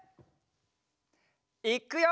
いっくよ！